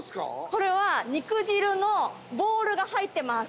◆これは肉汁のボールが入ってます。